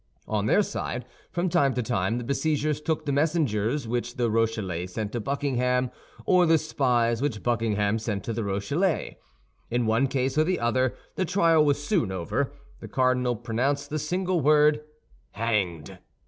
On their side, from time to time, the besiegers took the messengers which the Rochellais sent to Buckingham, or the spies which Buckingham sent to the Rochellais. In one case or the other, the trial was soon over. The cardinal pronounced the single word, "Hanged!"